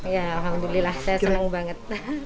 ya alhamdulillah saya senang banget